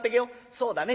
「そうだね。